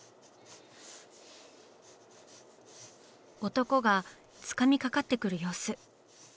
男がつかみかかってくる様子。